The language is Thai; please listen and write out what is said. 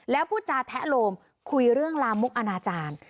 แล้วพูดจาแทะโลมคุยเรื่องลามกอนาจารย์